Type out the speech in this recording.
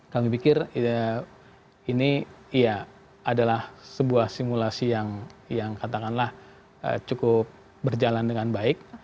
kami pikir ini ya adalah sebuah simulasi yang katakanlah cukup berjalan dengan baik